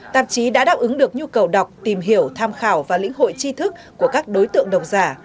tạp chí đã đáp ứng được nhu cầu đọc tìm hiểu tham khảo và lĩnh hội chi thức của các đối tượng đồng giả